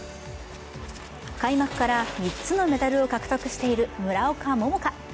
開幕から３つのメダルを獲得している村岡桃佳。